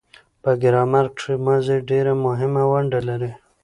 په ګرامر کښي ماضي ډېره مهمه ونډه لري.